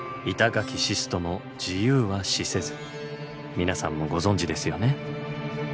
皆さんもご存じですよね？